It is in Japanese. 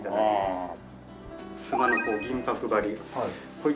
ああ。